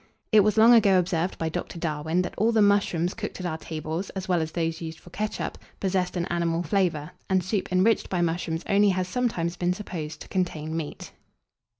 It was long ago observed by Dr. Darwin, that all the mushrooms cooked at our tables, as well as those used for ketchup, possessed an animal flavour; and soup enriched by mushrooms only has sometimes been supposed to contain meat.